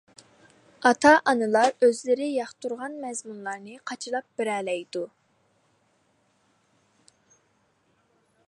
ئاتا-ئانىلار ئۆزلىرى ياقتۇرغان مەزمۇنلارنى قاچىلاپ بېرەلەيدۇ.